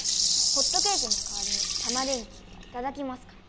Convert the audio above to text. ホットケーキのかわりにタマ電Ｑはいただきますから。